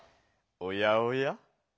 おやおや。